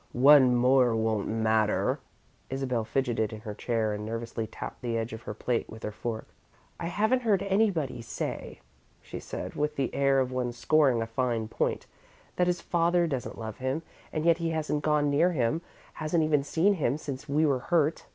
"One more won't matter." Isabel fidgeted in her chair and nervously tapped the edge of her plate with her fork. "I haven't heard anybody say," she began, with the air of one scoring a fine point, "that his father doesn't love him, and yet he hasn't gone near him hasn't even seen him since we were hurt.